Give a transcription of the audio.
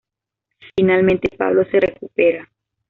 Finalmente, Pablo se recupera.